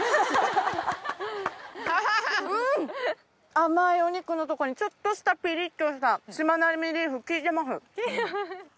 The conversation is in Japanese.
甘いお肉のとこにちょっとしたピリっとしたしまなみリーフ効いてます。